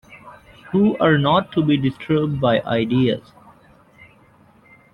Who are not to be disturbed by ideas.